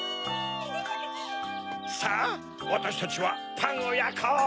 さぁわたしたちはパンをやこう！